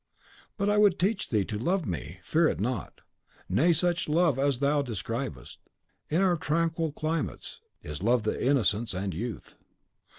"But I would teach thee to love me; fear it not. Nay, such love as thou describest, in our tranquil climates, is the love of innocence and youth."